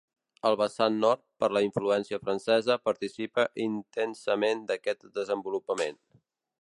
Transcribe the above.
El vessant nord, per la influència francesa, participa intensament d'aquest desenvolupament.